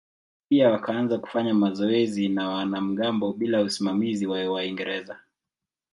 Pia wakaanza kufanya mazoezi ya wanamgambo bila usimamizi wa Waingereza.